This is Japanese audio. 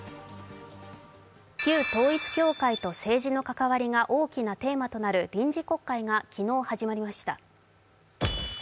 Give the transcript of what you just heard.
旧統一教会と政治の関わりが大きなテーマとなる臨時国会が昨日始まりました。